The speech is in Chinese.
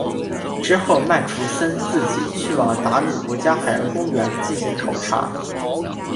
之后麦克弗森自己去往达鲁国家海洋公园进行考察。